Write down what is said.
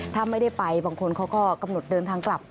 ถ้าไม่ได้ไปบางคนเขาก็กำหนดเดินทางกลับ